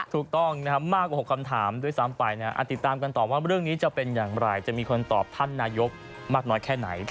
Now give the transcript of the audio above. ถูกต้องนะครับมากกว่า๖คำถามด้วยซ้ำไปนะติดตามกันต่อว่าเรื่องนี้จะเป็นอย่างไรจะมีคนตอบท่านนายกมากน้อยแค่ไหน